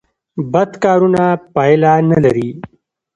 بد کارونه پایله نلري